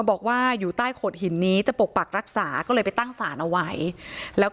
บอกว่าอยู่ใต้โขดหินนี้จะปกปักรักษาก็เลยไปตั้งสารเอาไว้แล้วก็